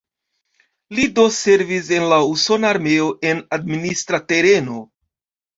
Li do servis en la usona armeo en administra tereno.